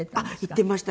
行ってました。